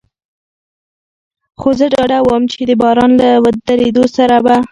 خو زه ډاډه ووم، چې د باران له درېدو سره به.